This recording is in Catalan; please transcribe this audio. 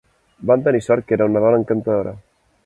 Van tenir sort que era una dona encantadora.